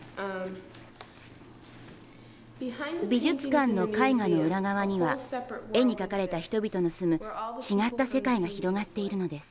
美術館の絵画の裏側には絵に描かれた人々の住む違った世界が広がっているのです。